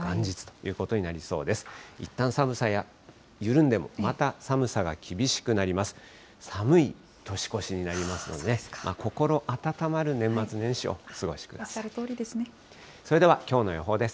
いったん寒さ緩んでも、また、寒さが厳しくなります。